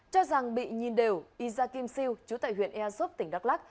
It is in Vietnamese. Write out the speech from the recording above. cho rằng bị nhìn đều isa kim siêu chú tại huyện airsoft